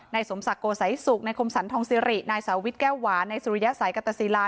ในสมศักดิ์โกศัยศุกร์ในคมศัลทองสิริในสาวิทย์แก้วหวานในสุริยศัยกัตตาซีลา